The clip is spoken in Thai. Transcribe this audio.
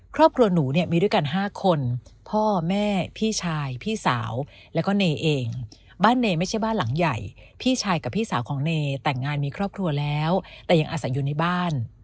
ครอบครัวหนูเนี่ยมีด้วยกัน๕คนพ่อแม่พี่ชายพี่สาวแล้วก็เนเองบ้านเนไม่ใช่บ้านหลังใหญ่พี่ชายกับพี่สาวของเนแต่งงานมีครอบครัวแล้วแต่ยังอาศัยอยู่ในบ้าน